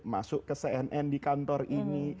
masuk ke cnn di kantor ini